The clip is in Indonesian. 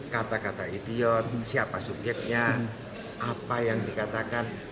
kata kata idiot siapa subyeknya apa yang dikatakan